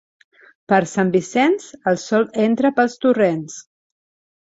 Per Sant Vicenç el sol entra pels torrents.